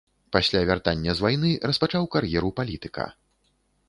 Пасля вяртання з вайны распачаў кар'еру палітыка.